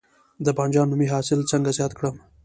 د بانجان رومي حاصل څنګه زیات کړم؟